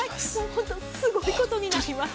本当にすごいことになります。